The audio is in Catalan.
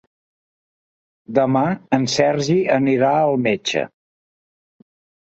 Demà en Sergi anirà al metge.